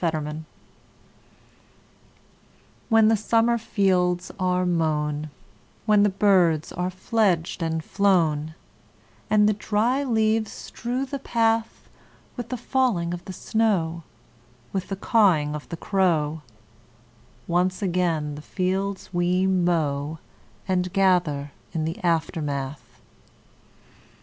AFTERMATH When the summer fields are mown, When the birds are fledged and flown, And the dry leaves strew the path; With the falling of the snow, With the cawing of the crow, Once again the fields we mow And gather in the aftermath.